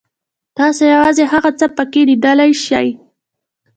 تاسو یوازې هغه څه پکې لیدلی شئ.